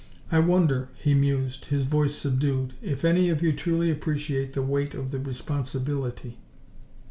"I wonder," he mused, his voice subdued, "if any of you truly appreciate the weight of the responsibility."